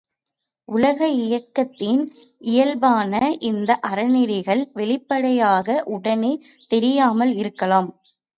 உலக இயக்கத்தின் இயல்பான இந்த அறநெறிகள் வெளிப்படையாக, உடனே தெரியாமல் இருக்கலாம்.